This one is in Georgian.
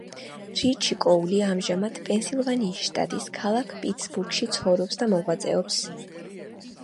რიჩი კოული ამჟამად პენსილვანიის შტატის ქალქ პიტსბურგში ცხოვრობს და მოღვაწეობს.